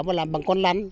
và làm bằng con lăn